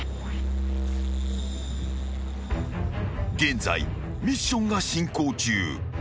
［現在ミッションが進行中］